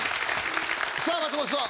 さあ松本さん。